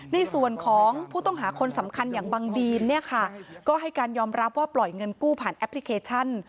ในส่วนของผู้ต้องหาคนสำคัญอย่างบังดีนเนี่ยค่ะก็ให้การยอมรับว่าปล่อยเงินกู้ผ่านแอปพลิเคชัน